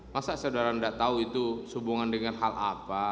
masa saudara gak tau itu hubungan dengan hal apa